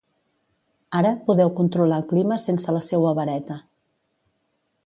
Ara, podeu controlar el clima sense la seua vareta.